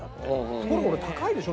ところがあれ高いでしょ？